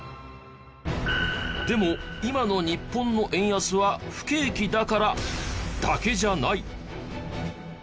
でも今の日本の円安は不景気だからだけじゃない！